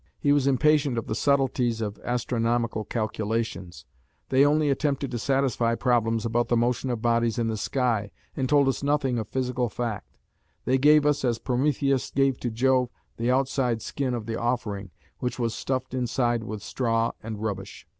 He was impatient of the subtleties of astronomical calculations; they only attempted to satisfy problems about the motion of bodies in the sky, and told us nothing of physical fact; they gave us, as Prometheus gave to Jove, the outside skin of the offering, which was stuffed inside with straw and rubbish.